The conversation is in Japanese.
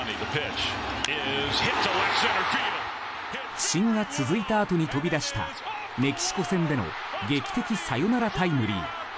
不振が続いたあとに飛び出したメキシコ戦での劇的サヨナラタイムリー。